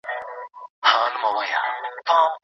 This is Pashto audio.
زه به تل د خپل کلتور لپاره کار کوم.